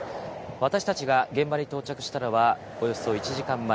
私たちが現場に到着したのはおよそ１時間前。